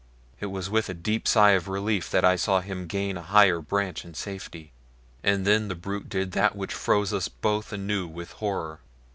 It was with a deep sigh of relief that I saw him gain a higher branch in safety. And then the brute did that which froze us both anew with horror.